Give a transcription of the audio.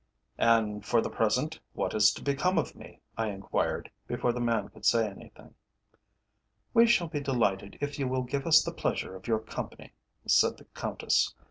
"And for the present what is to become of me?" I enquired, before the man could say anything. "We shall be delighted if you will give us the pleasure of your company," said the Countess.